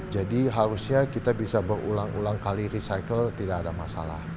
jadi harusnya kita bisa berulang ulang kali recycle tidak ada masalah